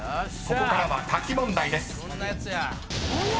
［ここからは書き問題です］うわ！